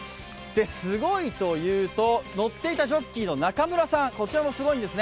すごいというと乗っていたジョッキーの中村さん、こちらもすごいんですね。